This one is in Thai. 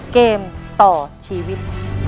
เกมต่อชีวิต